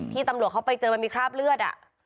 ตำรวจเขาไปเจอมันมีคราบเลือด